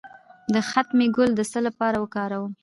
د ختمي ګل د څه لپاره وکاروم؟